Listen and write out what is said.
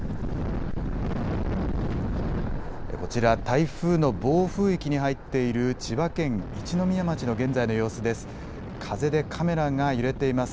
こちら、台風の暴風域に入っている千葉県一宮町の現在の様子です。